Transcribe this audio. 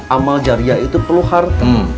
amal jariah itu perlu harta